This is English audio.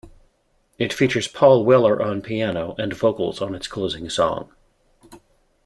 It features Paul Weller on piano and vocals on its closing song.